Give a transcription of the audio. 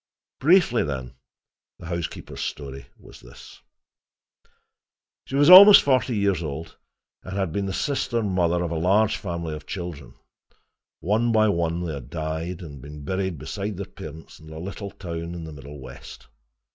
Briefly, then, the housekeeper's story was this: She was almost forty years old, and had been the sister mother of a large family of children. One by one they had died, and been buried beside their parents in a little town in the Middle West.